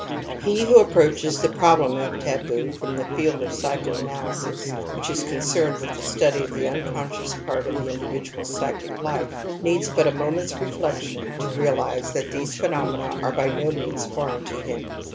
He who approaches the problem of taboo from the field of psychoanalysis, which is concerned withj^he study of the imconscious part of the individual's psychic life„ needs but a moment's « /.c, p. 313. 44 TOTEM AND TABOO reflecl ion to realize that these phenomena are by no means foreign to him.